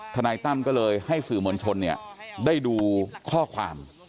นายตั้มก็เลยให้สื่อมวลชนได้ดูข้อความ